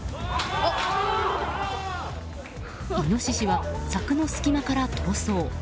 イノシシは柵の隙間から逃走。